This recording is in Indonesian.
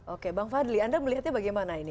oke bang fadli anda melihatnya bagaimana ini